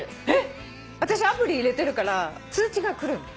私アプリ入れてるから通知が来るの。